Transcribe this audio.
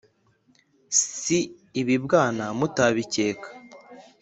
Si ibibwana mutabikeka!